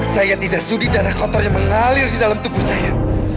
saya tidak sudi darah kotor yang mengalir di dalam tubuh saya